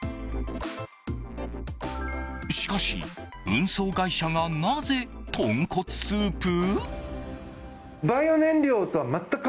しかし、運送会社がなぜ豚骨スープ？